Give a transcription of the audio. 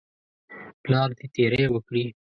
پلار دې تیری وکړي.